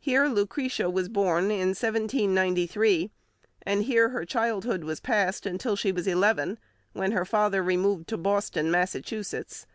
Here Lucretia was born in 1793, and here her childhood was passed till she was eleven, when her father removed to Boston, Massachusetts.